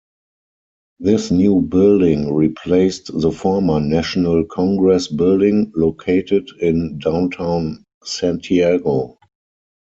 This new building replaced the Former National Congress Building, located in downtown Santiago.